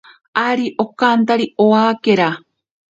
Ari okantari owakera.